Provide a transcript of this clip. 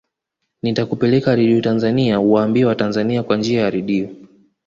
nitakupeleka radio tanzania uwaambie watanzania kwa njia ya radio